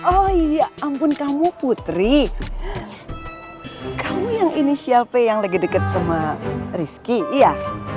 oh iya ampun kamu putri kamu yang ini siapa yang lebih deket sama rizky ya